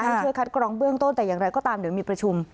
ให้ช่วยคัดกรองเบื้องต้นแต่อย่างไรก็ตามเดี๋ยวมีประชุม